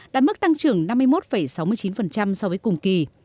đã mức tăng trưởng năm mươi một sáu mươi chín so với cùng kỳ